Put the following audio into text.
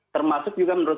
termasuk juga menurut